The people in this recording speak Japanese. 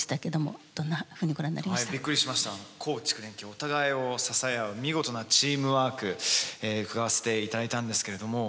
お互いを支え合う見事なチームワーク伺わせていただいたんですけれども。